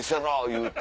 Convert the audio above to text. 言うて。